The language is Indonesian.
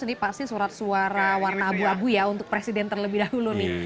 ini pasti surat suara warna abu abu ya untuk presiden terlebih dahulu nih